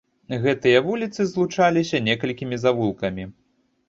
Гэтыя вуліцы злучаліся некалькімі завулкамі.